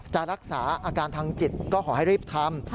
จะรักษาอาการทางจิตก็ขอให้รีบทำ